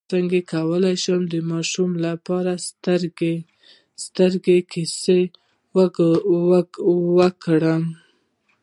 څنګه کولی شم د ماشومانو لپاره د سترګو سترګو کیسه وکړم